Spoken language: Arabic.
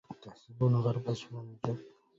أتحسبون غرب أجفاني جف